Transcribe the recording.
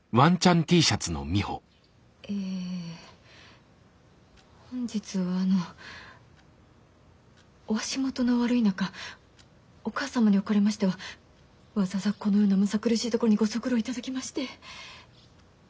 えぇ本日はあのお足元の悪い中お母様におかれましてはわざわざこのようなむさ苦しいところにご足労頂きまして。